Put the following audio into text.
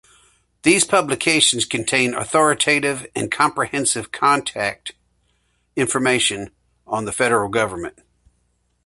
These publications contain authoritative and comprehensive contact information on the federal government.